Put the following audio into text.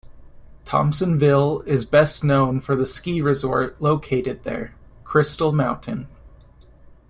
Thompsonville is best known for the ski resort located there, Crystal Mountain.